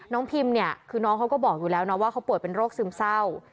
พิมเนี่ยคือน้องเขาก็บอกอยู่แล้วนะว่าเขาป่วยเป็นโรคซึมเศร้า